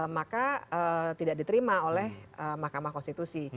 maka tidak diterima oleh mahkamah konstitusi